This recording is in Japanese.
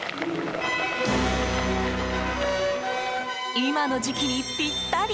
今の時期にぴったり！